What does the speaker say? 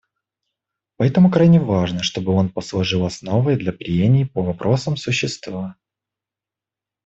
Поэтому крайне важно, чтобы он послужил основой для прений по вопросам существа.